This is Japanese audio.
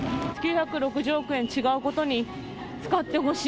９６０億円違うことに使ってほしい。